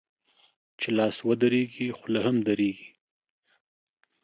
چي لاس و درېږي ، خوله هم درېږي.